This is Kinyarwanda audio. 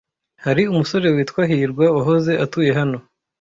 Hari umusore witwa hirwa wahoze atuye hano.